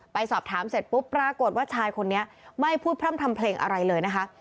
ไปสอบถามเสร็จปุ๊บปรากฏว่าชายคนนี้ไม่พูดพร่ำทำเพลงอะไรเลยนะคะ